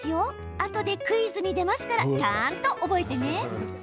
あとでクイズに出ますからちゃんと覚えてね。